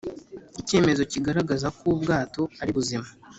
icyemezo kigaragaza ko ubwato ari buzima